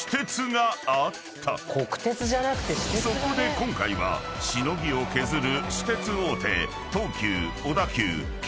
［そこで今回はしのぎを削る］